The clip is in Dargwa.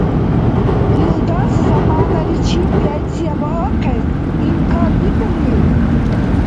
Илдас заманаличиб пенсия баахъес имкан бикӏулив?